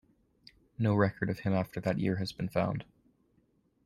No record of him after that year has been found.